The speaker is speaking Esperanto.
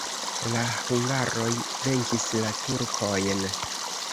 La hungaroj venkis la turkojn.